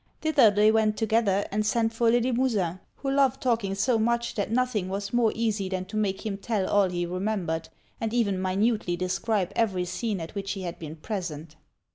Thither they went together, and sent for Le Limosin; who loved talking so much that nothing was more easy than to make him tell all he remembered, and even minutely describe every scene at which he had been present.